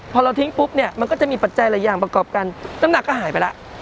พอเราทิ้งปุ๊บเนี่ยมันก็จะมีปัจจัยหลายอย่างประกอบกันน้ำหนักก็หายไปแล้ว